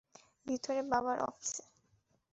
ভিতরে, বাবার অফিসে।